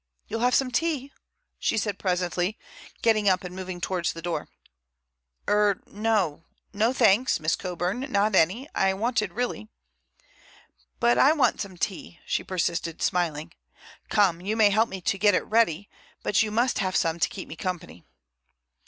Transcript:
"You'll have some tea?" she said presently, getting up and moving towards the door. "Er no no, thanks, Miss Coburn, not any. I wanted really—" "But I want some tea," she persisted, smiling. "Come, you may help me to get it ready, but you must have some to keep me company."